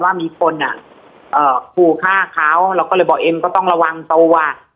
ว่ามีคนขู่ฆ่าเขาเราก็เลยบอกเอ็มก็ต้องระวังตัว